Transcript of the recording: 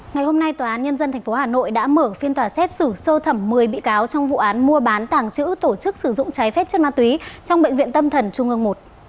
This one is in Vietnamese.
ngày hôm nay tòa án nhân dân tp hà nội đã mở phiên tòa xét xử sơ thẩm một mươi bị cáo trong vụ án mua bán tàng trữ tổ chức sử dụng trái phép chất ma túy trong bệnh viện tâm thần trung ương i